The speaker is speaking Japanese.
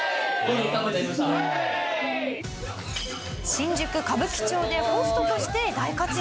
新宿歌舞伎町でホストとして大活躍。